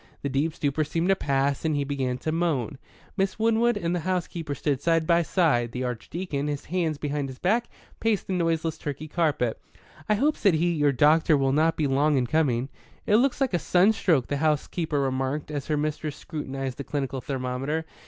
The deep stupor seemed to pass, and he began to moan. Miss Winwood and the housekeeper stood by his side. The Archdeacon, his hands behind his back, paced the noiseless Turkey carpet. "I hope," said he, "your doctor will not be long in coming." "It looks like a sunstroke," the housekeeper remarked, as her mistress scrutinized the clinical thermometer.